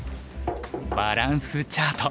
「バランスチャート」。